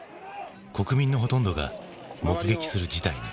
国民のほとんどが目撃する事態に。